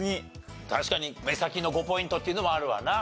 確かに目先の５ポイントっていうのもあるわな。